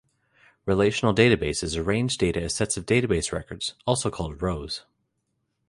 Relational databases arrange data as sets of database records, also called rows.